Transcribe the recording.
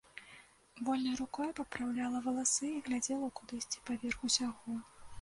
Вольнай рукою папраўляла валасы і глядзела кудысьці паверх усяго.